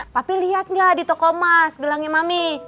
papi lihat nggak di toko emas gelangnya mami